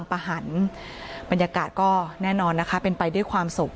ฝากเรื่องนี้ด้วยครับ